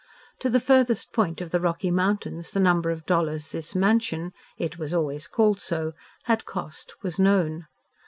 To the farthest point of the Rocky Mountains the number of dollars this "mansion" (it was always called so) had cost, was known.